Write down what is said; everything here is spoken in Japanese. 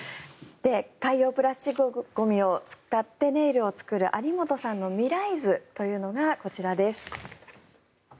海洋プラスチックゴミを使ってネイルを作る有本さんの未来図というのがこちらです。